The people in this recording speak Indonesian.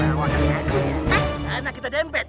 anak kita dempet